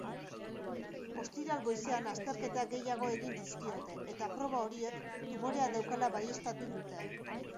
Ostiral goizean azterketa gehiago egin dizkiote eta proba horiek tumorea daukala baieztatu dute.